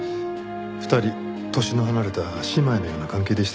２人年の離れた姉妹のような関係でしたからね。